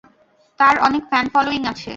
তার অনেক fan following আছে।